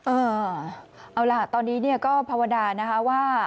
เอาล่ะตอนนี้เนี่ยก็ภาวนานะคะว่า